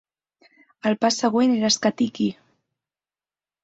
El pas següent era escatir qui.